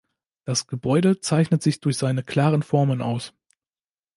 Das Gebäude zeichnet sich durch seine klaren Formen aus.